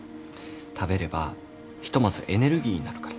食べればひとまずエネルギーになるから。